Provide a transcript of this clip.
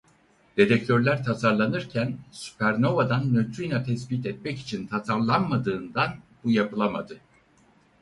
Detektörler tasarlanırken süpernovadan nötrino tespit etmek için tasarlanmadığından bu yapılamadı.